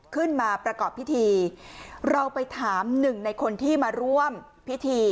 ขึ้นมาประกอบพิธีเราไปถามหนึ่งในคนที่มาร่วมพิธี